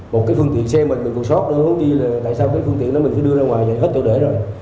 một cái phương tiện xe mình mình còn sót nữa không biết là tại sao cái phương tiện đó mình phải đưa ra ngoài vậy hết tôi để rồi